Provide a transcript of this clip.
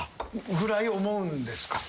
ぐらい思うんですか？